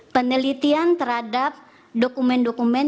penelitian terhadap dokumen dokumen